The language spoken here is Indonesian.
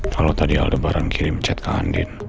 kalo tadi aldebaran kirim chat ke andin